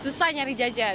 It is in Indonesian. susah nyari jajan